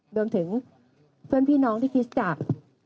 โดยถึงเพื่อนพี่น้องที่คิดจับ